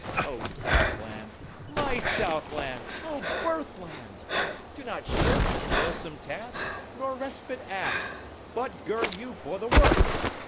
O Southland! my Southland!O birthland! do not shirkThe toilsome task, nor respite ask, But gird you for the work.